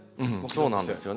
そうなんですよね。